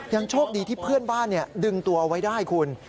โชคดีที่เพื่อนบ้านดึงตัวเอาไว้ได้คุณ